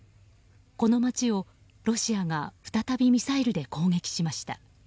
この街をロシアが再びミサイルで攻撃しました。